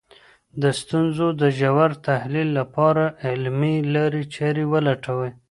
د ستونزو د ژور تحلیل لپاره علمي لاري چارې ولټوئ.